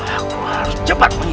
aku harus cepat mengikuti